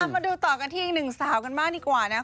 มาดูต่อกันที่อีกหนึ่งสาวกันบ้างดีกว่านะครับ